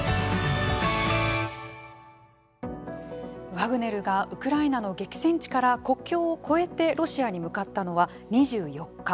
ワグネルがウクライナの激戦地から国境を越えてロシアに向かったのは２４日。